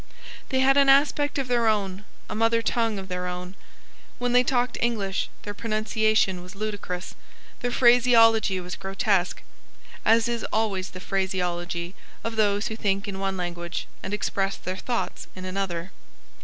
They had an aspect of their own, a mother tongue of their own. When they talked English their pronunciation was ludicrous; their phraseology was grotesque, as is always the phraseology of those who think in one language and express their thoughts in another.